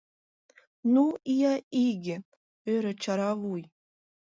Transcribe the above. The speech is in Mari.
— Ну ия иге! — ӧрӧ чаравуй.